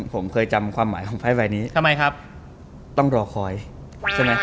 ผมเคยจำความหมายของไฟล์ใบนี้ทำไมครับต้องรอคอยใช่ไหม